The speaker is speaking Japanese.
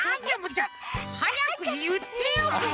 じゃあはやくいってよもう！